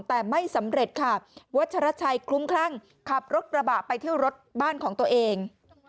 แต่ไม่สำเร็จค่ะวัชรชัยคลุ้มคลั่งขับรถกระบะไปเที่ยวรถบ้านของตัวเอง